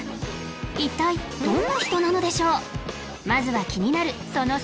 一体どんな人なのでしょう？